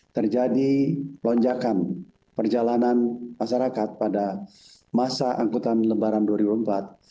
terjadi lonjakan perjalanan masyarakat pada masa angkutan lebaran dua ribu empat